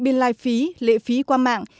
biên lai phí lệ phí qua mạng